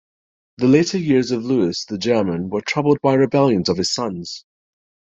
The later years of Louis the German were troubled by rebellions of his sons.